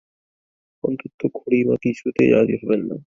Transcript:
অন্তত খুড়িমা কিছুতেই রাজি হবেন না।